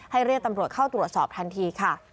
เรียกตำรวจเข้าตรวจสอบทันทีค่ะ